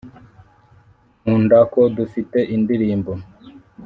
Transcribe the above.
nkunda ko dufite "indirimbo"